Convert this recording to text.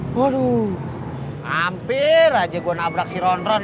waduh hampir aja gue nabrak si ronron